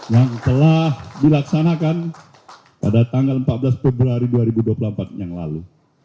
yang telah dilaksanakan pada tanggal empat belas februari dua ribu dua puluh empat yang lalu